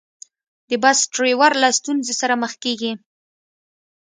د بس ډریور له ستونزې سره مخ کېږي.